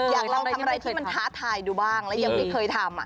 อยากลองทำอะไรที่มันท้าทายดูบ้างแล้วยังไม่เคยทำ